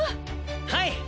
はい。